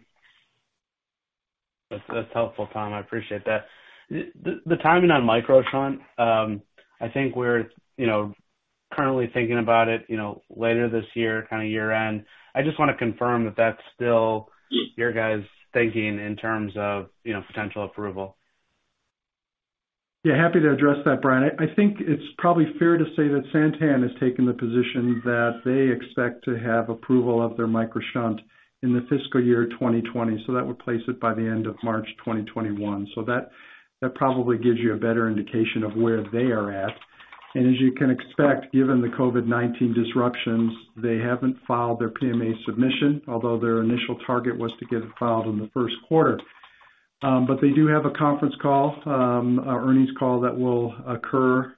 That's helpful, Tom. I appreciate that. The timing on MicroShunt, I think we're currently thinking about it later this year, kind of year-end. I just want to confirm that's still your guys' thinking in terms of potential approval. Yeah, happy to address that, Brian. I think it's probably fair to say that Santen has taken the position that they expect to have approval of their MicroShunt in the fiscal year 2020, so that would place it by the end of March 2021. That probably gives you a better indication of where they are at. As you can expect, given the COVID-19 disruptions, they haven't filed their PMA submission, although their initial target was to get it filed in the first quarter. They do have a conference call, earnings call that will occur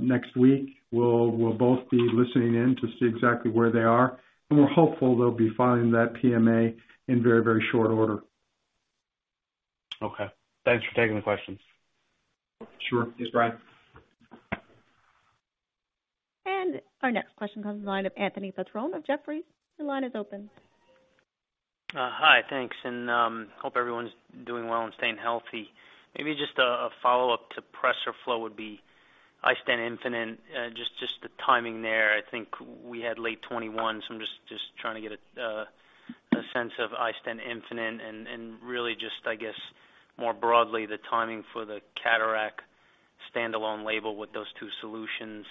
next week. We'll both be listening in to see exactly where they are, and we're hopeful they'll be filing that PMA in very short order. Okay. Thanks for taking the questions. Sure. Thanks, Brian. Our next question comes from the line of Anthony Petrone of Jefferies. Your line is open. Hi. Thanks, and hope everyone's doing well and staying healthy. Maybe just a follow-up to PRESERFLO would be iStent infinite, just the timing there. I think we had late 2021, so I'm just trying to get a sense of iStent infinite and really just, I guess, more broadly, the timing for the cataract standalone label with those two solutions.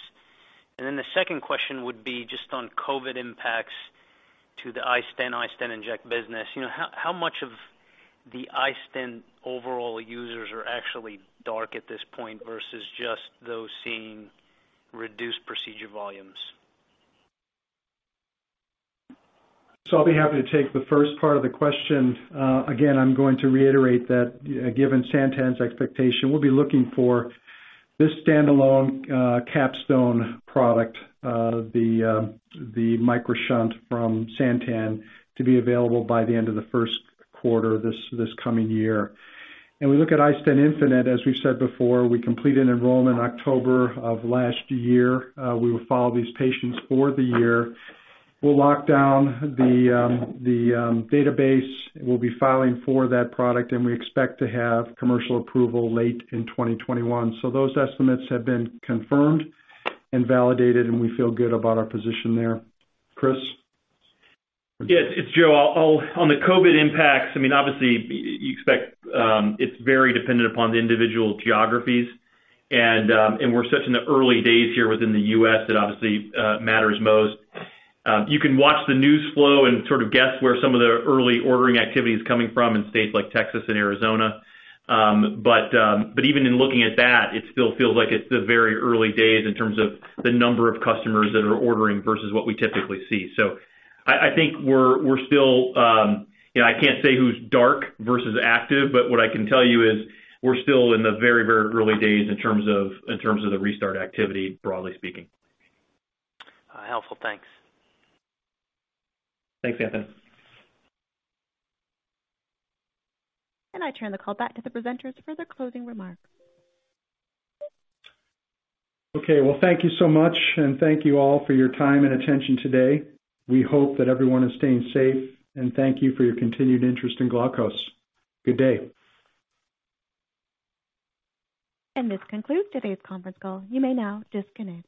The second question would be just on COVID-19 impacts to the iStent inject business. How much of the iStent overall users are actually dark at this point versus just those seeing reduced procedure volumes? I'll be happy to take the first part of the question. Again, I'm going to reiterate that given Santen's expectation, we'll be looking for this standalone capstone product, the MicroShunt from Santen, to be available by the end of the first quarter this coming year. We look at iStent infinite, as we've said before, we completed enrollment October of last year. We will follow these patients for the year. We'll lock down the database. We'll be filing for that product, and we expect to have commercial approval late in 2021. Those estimates have been confirmed and validated, and we feel good about our position there. Chris? Yes, it's Joe. On the COVID impacts, obviously, you expect it's very dependent upon the individual geographies. We're such in the early days here within the U.S. that obviously matters most. You can watch the news flow and sort of guess where some of the early ordering activity is coming from in states like Texas and Arizona. Even in looking at that, it still feels like it's the very early days in terms of the number of customers that are ordering versus what we typically see. I can't say who's dark versus active, but what I can tell you is we're still in the very early days in terms of the restart activity, broadly speaking. Helpful. Thanks. Thanks, Anthony. I turn the call back to the presenters for their closing remarks. Okay. Well, thank you so much, and thank you all for your time and attention today. We hope that everyone is staying safe, and thank you for your continued interest in Glaukos. Good day. This concludes today's conference call. You may now disconnect.